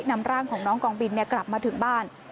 นำร่างของน้องกองบินกลับมาถึงบ้าน